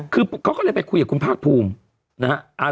เขาก็เลยไปคุยกับคุณภาครภูมิ